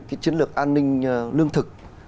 cái chiến lược an ninh lương thực